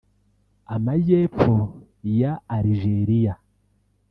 Amajyepfo ya Algeria